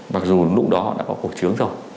mặc dù lúc đó họ đã có khổ